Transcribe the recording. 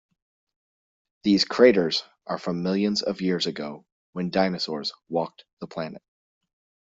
These craters are from millions of years ago when dinosaurs walked the planet.